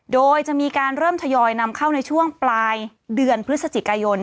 โดยจะมีการเริ่มทยอยนำเข้าในช่วงปลายเดือนพฤศจิกายน